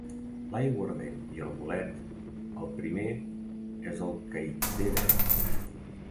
L'aiguardent i el bolet, el primer és el que hi té dret.